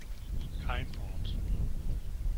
Kein Ort.